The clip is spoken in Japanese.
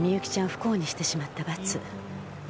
不幸にしてしまった罰。